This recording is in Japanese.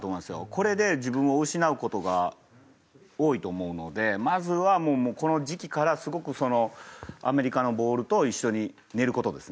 これで自分を失う事が多いと思うのでまずはこの時期からすごくアメリカのボールと一緒に寝る事ですね。